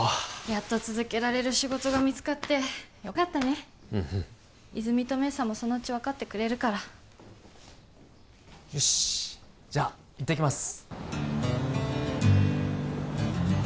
やっと続けられる仕事が見つかってよかったね泉実と明紗もそのうち分かってくれるからよしじゃあ行ってきます